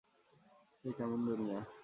এ কেমন দুনিয়া!